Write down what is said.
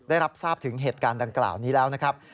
ได้รับทราบถึงเหตุการณ์ดังกล่าวนี้แล้วนะครับ